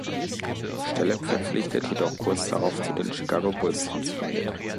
Stelle verpflichtet, jedoch kurz darauf zu den Chicago Bulls transferiert.